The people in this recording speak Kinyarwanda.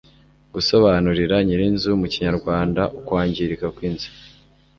gusobanurira nyirinzu mu kinyarwanda ukwangirika kw'inzu